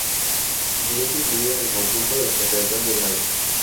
Iglesia incluida en el conjunto de la catedral de Braga.